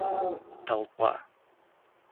толпа